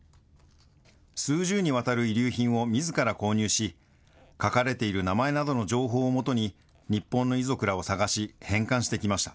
数十にわたる遺留品をみずから購入し、書かれている名前などの情報を基に、日本の遺族らを探し、返還してきました。